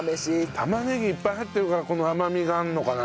玉ねぎいっぱい入ってるからこの甘みがあるのかな？